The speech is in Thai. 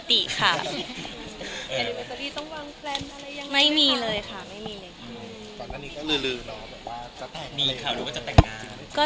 ปกติค่ะ